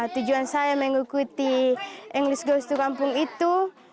tujuan saya mengikuti inggris gustu kampung itu